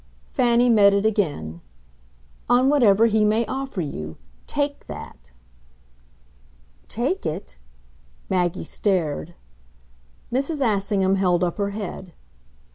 Fanny met it again. "On whatever he may offer you. TAKE that." "Take it ?" Maggie stared. Mrs. Assingham held up her head.